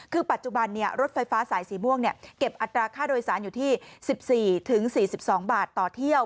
คือปัจจุบันรถไฟฟ้าสายสีม่วงเก็บอัตราค่าโดยสารอยู่ที่๑๔๔๒บาทต่อเที่ยว